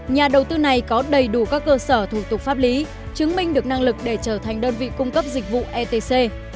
nhà đầu tư này có đầy đủ các cơ sở thủ tục pháp lý chứng minh được năng lực để trở thành đơn vị cung cấp dịch vụ etc